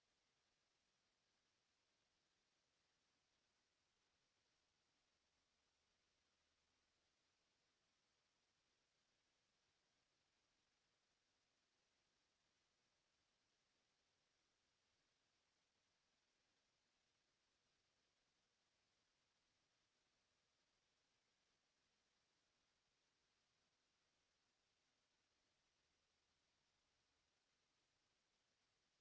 โปรดติดตามต่อไป